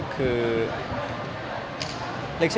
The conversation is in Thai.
คือคือคือคือ